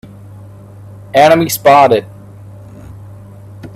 Enemy spotted!